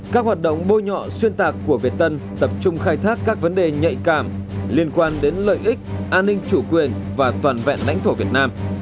các hoạt động bôi nhọ xuyên tạc của việt tân tập trung khai thác các vấn đề nhạy cảm liên quan đến lợi ích an ninh chủ quyền và toàn vẹn lãnh thổ việt nam